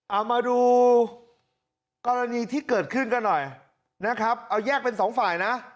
เอามาดูกรณีที่เกิดขึ้นกันหน่อยนะครับเอาแยกเป็นสองฝ่ายนะ